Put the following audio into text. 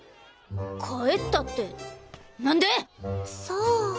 帰ったってなんで⁉さあ？